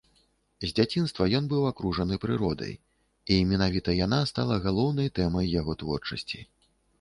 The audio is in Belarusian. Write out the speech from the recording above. З дзяцінства ён быў акружаны прыродай, і менавіта яна стала галоўнай тэмай яго творчасці.